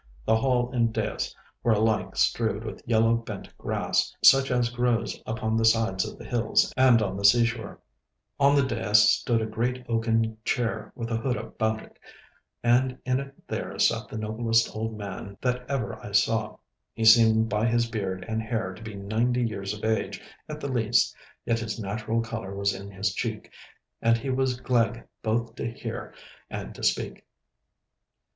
The hall and dais were alike strewed with yellow bent grass, such as grows upon the sides of the hills and on the seashore. On the dais stood a great oaken chair with a hood about it, and in it there sat the noblest old man that ever I saw. He seemed by his beard and hair to be ninety years of age at the least, yet his natural colour was in his cheek, and he was gleg both to hear and to speak.